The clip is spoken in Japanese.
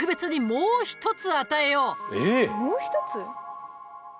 もう一つ？